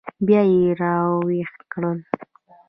بیا یې راویښ کړل.